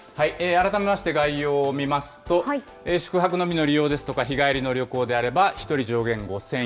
改めまして概要を見ますと、宿泊のみの利用ですとか、日帰りの旅行であれば、１人上限５０００円。